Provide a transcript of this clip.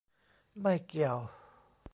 ไม่เกี่ยว